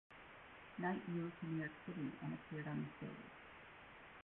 Knight moved to New York City and appeared on the stage.